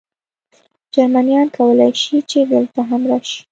جرمنیان کولای شي، چې دلته هم راشي.